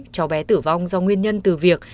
cháu bé tử vong do nguyên nhân từ việc